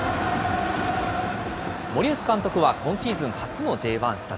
森保監督は今シーズン初のＪ１視察。